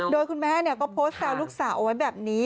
โดยคุณแม่ก็โพสต์แซวลูกสาวเอาไว้แบบนี้